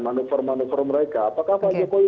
manuver manuver mereka apakah pak jokowi